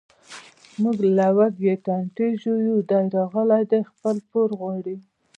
موږ له لوږې ټانټې ژویو، دی راغلی دی خپل پور غواړي.